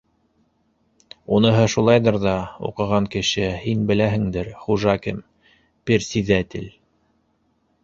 Уныһы шулайҙыр ҙа, уҡыған кеше һин беләһендер, хужа кем, персиҙәтел.